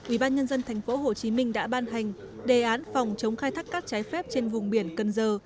ubnd tp hcm đã ban hành đề án phòng chống khai thác cát trái phép trên vùng biển cần giờ